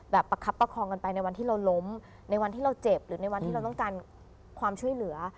ประคับประคองกันไปในวันที่เราล้มในวันที่เราเจ็บหรือในวันที่เราต้องการความช่วยเหลือ